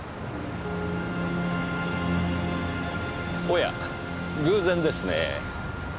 おや偶然ですねぇ。